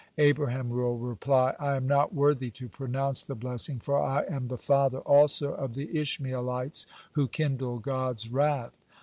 Abraham will reply: "I am not worthy to pronounce the blessing, for I am the father also of the Ishmaelites, who kindle God's wrath."